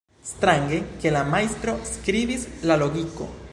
Strange, ke la majstro skribis la logiko.